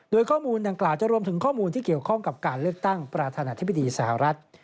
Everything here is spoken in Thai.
โดยข้อมูลดังกล่าวจะรวมถึงข้อมูลที่เกี่ยวข้องกับการเลือกตั้งประธานาธิบดีสหรัฐ